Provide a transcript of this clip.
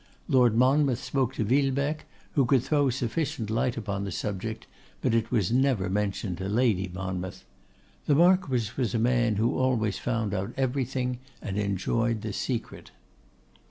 Lord Monmouth spoke to Villebecque, who could throw sufficient light upon the subject, but it was never mentioned to Lady Monmouth. The Marquess was a man who always found out everything, and enjoyed the secret.